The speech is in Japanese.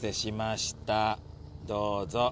どうぞ。